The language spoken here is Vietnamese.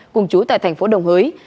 cùng chú tại thành phố đồng hới